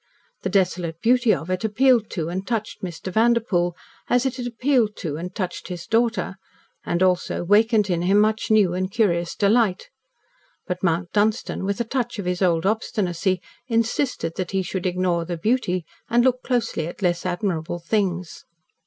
The desolate beauty of it appealed to and touched Mr. Vanderpoel, as it had appealed to and touched his daughter, and, also, wakened in him much new and curious delight. But Mount Dunstan, with a touch of his old obstinacy, insisted that he should ignore the beauty, and look closely at less admirable things.